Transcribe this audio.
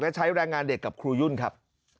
และใช้แรงงานเด็กกับครูยุ่นครับ